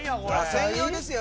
専用ですよ